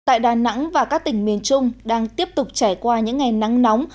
tại đà nẵng và các tỉnh miền trung đang tiếp tục trải qua những ngày nắng nóng